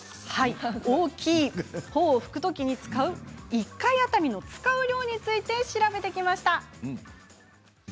大きい方を拭く時に使う１回当たりの使う量について調べてきました。